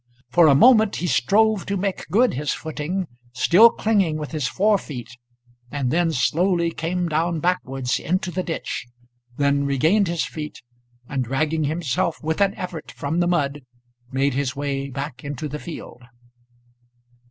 For a moment he strove to make good his footing, still clinging with his fore feet, and then slowly came down backwards into the ditch, then regained his feet, and dragging himself with an effort from the mud, made his way back into the field.